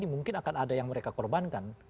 jadi mungkin akan ada yang mereka korbankan